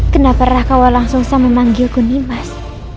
kenapa rakawa langsung sama memanggilku nimas